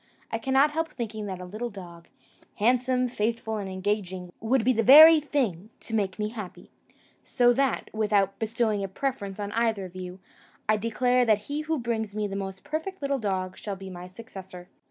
I cannot help thinking that a little dog, handsome, faithful, and engaging, would be the very thing to make me happy; so that, without bestowing a preference on either of you, I declare that he who brings me the most perfect little dog shall be my successor."